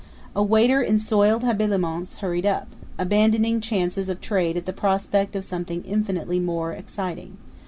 A waiter in soiled habiliments hurried up, abandoning chances of trade at the prospect of something infinitely more exciting.